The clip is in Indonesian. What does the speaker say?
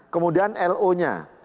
kemudian lo nya